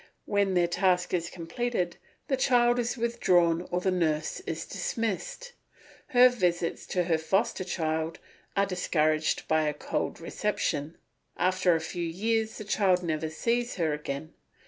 When their task is completed the child is withdrawn or the nurse is dismissed. Her visits to her foster child are discouraged by a cold reception. After a few years the child never sees her again.